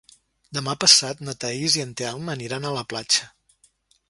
Demà passat na Thaís i en Telm aniran a la platja.